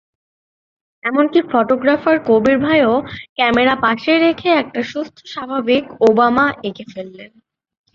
এমনকি ফটোগ্রাফার কবির ভাইও ক্যামেরা পাশে রেখে একটা সুস্থ-স্বাভাবিক ওবামা এঁকে ফেললেন।